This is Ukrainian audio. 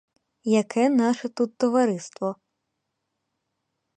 Яке наше тут товариство?